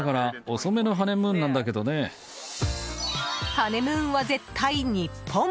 ハネムーンは絶対、日本！